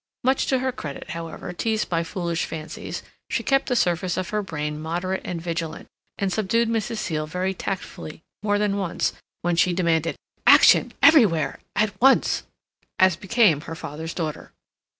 Much to her credit, however teased by foolish fancies, she kept the surface of her brain moderate and vigilant, and subdued Mrs. Seal very tactfully more than once when she demanded, "Action!—everywhere!—at once!" as became her father's daughter.